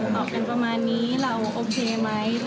ตอบกันประมาณนี้เราโอเคไหม